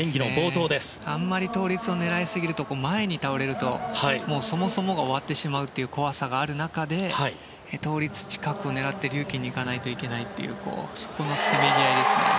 あまり倒立を狙いすぎると前に倒れると、そもそもが終わってしまうという怖さがある中で倒立近くを狙ってリューキンを狙わなきゃいけないというそこのせめぎ合いですね。